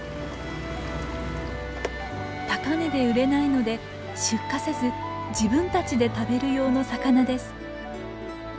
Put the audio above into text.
高値で売れないので出荷せず自分たちで食べる用の魚です。